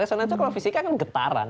nasional itu kalau fisika kan getaran